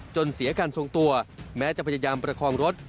เสียการทรงตัวแม้จะพยายามประคองรถ